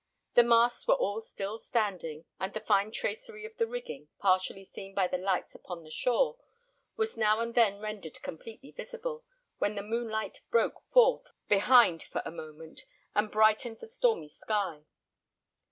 The masts were all still standing, and the fine tracery of the rigging, partially seen by the lights upon the shore, was now and then rendered completely visible when the moonlight broke forth behind for a moment, and brightened the stormy sky.